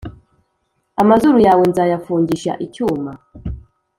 amazuru yawe nzayafungisha icyuma,